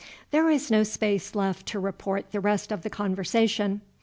There is no space left to report the rest of the conversation.